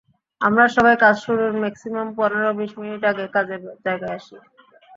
আমরা সবাই কাজ শুরুর ম্যাক্সিমাম পনেরো বিশ মিনিট আগে কাজের জায়গায় আসি।